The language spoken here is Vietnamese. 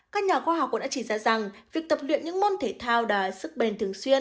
các nhà khoa học cũng đã chỉ ra rằng việc tập luyện những môn thể thao là sức bền thường xuyên